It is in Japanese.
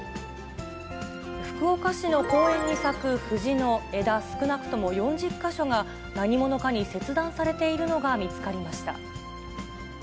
福岡市の公園に咲く藤の枝、少なくとも４０か所が何者かに切断されているのが見つかりました。